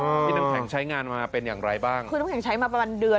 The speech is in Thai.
พี่น้ำแข็งใช้งานมาเป็นอย่างไรบ้างคือน้ำแข็งใช้มาประมาณเดือน